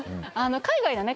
海外のね